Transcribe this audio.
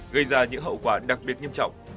gây ra những hậu quả đặc biệt nghiêm trọng